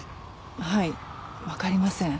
はいわかりません。